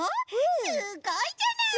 すごいじゃない！